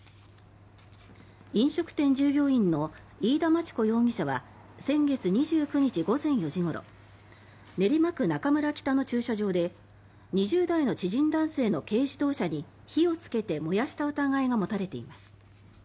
飲食店従業員の飯田真知子容疑者は先月２９日午前４時ごろ練馬区中村北の駐車場で２０代の知人男性の軽自動車に火をつけて燃やした疑いが持たれています。